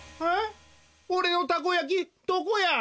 おれのたこやきどこや！？